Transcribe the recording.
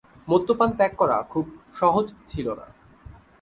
মদ্যপান ত্যাগ করা খুব সহজ ছিল না।